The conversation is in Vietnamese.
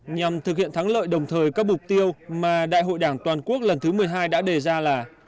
nhằm thực hiện thắng lợi đồng thời các mục tiêu mà đại hội đảng toàn quốc lần thứ một mươi hai đã đề ra là